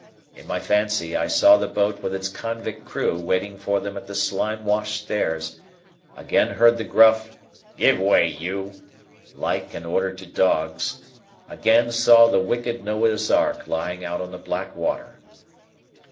In my fancy, I saw the boat with its convict crew waiting for them at the slime washed stairs,—again heard the gruff "Give way, you!" like and order to dogs,—again saw the wicked Noah's Ark lying out on the black water.